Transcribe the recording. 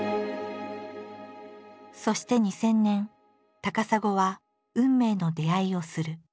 そして２０００年高砂は運命の出会いをする。